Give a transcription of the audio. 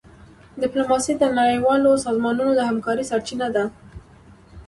ډيپلوماسي د نړیوالو سازمانونو د همکارۍ سرچینه ده.